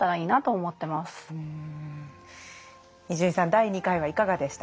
第２回はいかがでしたか？